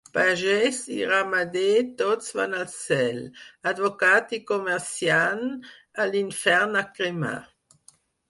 Pagès i ramader tots van al cel; advocat i comerciant, a l'infern a cremar.